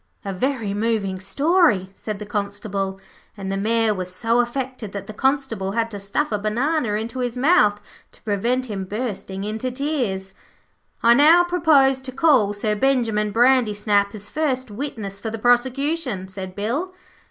'A very moving story,' said the Constable, and the Mayor was so affected that the Constable had to stuff a banana into his mouth to prevent him bursting into tears. 'I now propose to call Sir Benjimen Brandysnap as first witness for the prosecution,' said Bill.